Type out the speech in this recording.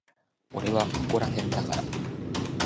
俺はここらへんだから。